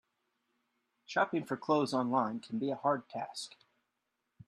Shopping for clothes online can be a hard task.